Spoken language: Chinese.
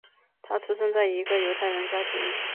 他出生在一个犹太人家庭。